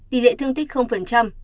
tỷ lệ thương tích